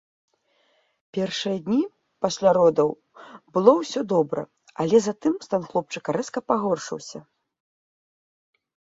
Першыя два дні пасля родаў было ўсё добра, але затым стан хлопчыка рэзка пагоршыўся.